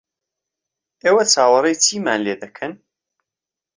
ئێوە چاوەڕێی چیمان لێ دەکەن؟